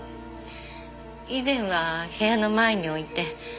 以前は部屋の前に置いて。